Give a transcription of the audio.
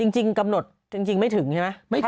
จริงกำหนดจริงไม่ถึงใช่ไหม